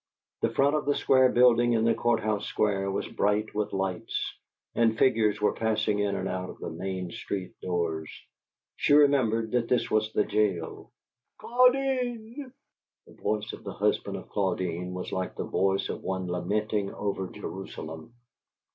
The front of a square building in the Court house Square was bright with lights; and figures were passing in and out of the Main Street doors. She remembered that this was the jail. "Claudine!" The voice of the husband of Claudine was like the voice of one lamenting over Jerusalem.